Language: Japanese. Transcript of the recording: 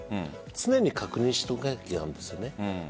常に確認しておかなければいけないんですよね。